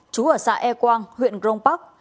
chú ở xã e quang huyện crong park